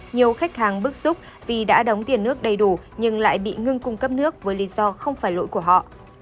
nhiều khách hàng bức xúc vì đã đóng tiền nước đầy đủ nhưng lại bị ngưng cung cấp nước với lý do không phải lỗi của họ